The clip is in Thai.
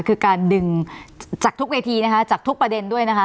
คือการดึงจากทุกเวทีนะคะจากทุกประเด็นด้วยนะคะ